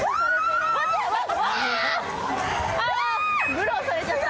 ブローされちゃった。